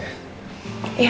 atas bantuan ya